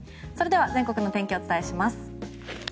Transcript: それでは全国の天気をお伝えします。